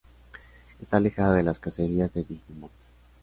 Esta alejada de las cacerías de digimon.